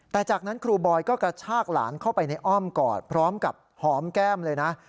แต่จากนั้นครูบอยก็กระชากหลานเข้าไปในอ้อมกอดพร้อมกับหอมแก้มเลยนะ